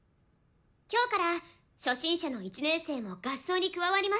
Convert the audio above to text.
今日から初心者の１年生も合奏に加わります。